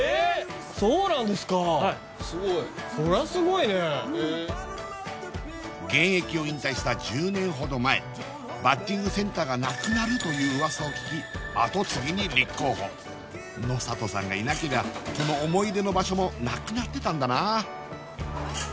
そうなんですかはいすごいそりゃすごいね現役を引退した１０年ほど前バッティングセンターがなくなるという噂を聞きあと継ぎに立候補野里さんがいなけりゃこの思い出の場所もなくなってたんだなあ